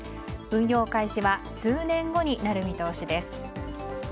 運用開始は数年後になる見通しです。